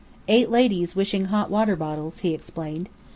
"Eight ladies wishing hot water bottles," he explained.